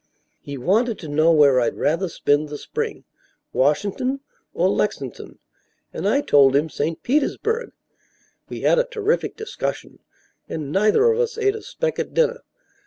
"He wanted to know where I'd rather spend the Spring Washin'ton or Lexin'ton, and I told him St. Petersburg. We had a terrific discussion and neither of us ate a speck at dinner.